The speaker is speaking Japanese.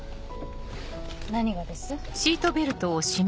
何がです？